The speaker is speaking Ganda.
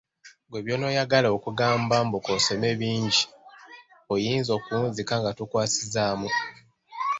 Ggwe by'onaayagala okugamba mbu k'osome bingi, oyinza okuwunzika nga tokwasizzaamu!